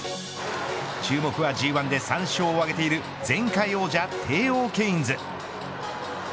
注目はＧ１で３勝を挙げている前回王者、テーオーケインズ。